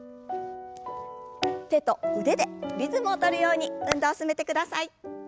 手と腕でリズムを取るように運動を進めてください。